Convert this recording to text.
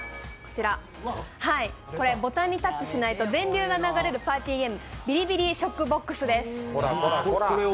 これ、ボタンにタッチしないと電流が流れるパーティーゲーム「ビリビリショックボックス」です。